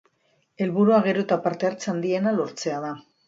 Helburua gero eta parte hartze handiena lortzea da.